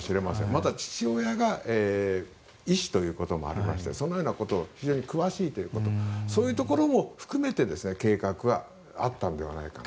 また、父親が医師ということもありましてそのようなことに非常に詳しいということそういうところも含めて計画があったのではないかと。